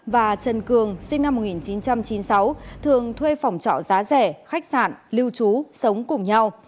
và trần cường sinh năm một nghìn chín trăm chín mươi sáu thường thuê phòng trọ giá rẻ khách sạn lưu trú sống cùng nhau